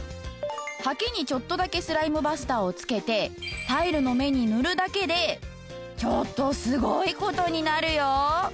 ハケにちょっとだけスライムバスターをつけてタイルの目に塗るだけでちょっとすごい事になるよ。